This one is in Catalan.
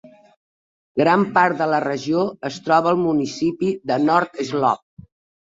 Gran part de la regió es troba al municipi de North Slope.